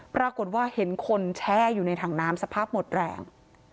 ปรากฏว่าเห็นคนแช่อยู่ในถังน้ำสภาพหมดแรง